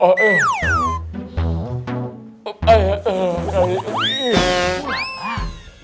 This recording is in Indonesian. pak deh enak banget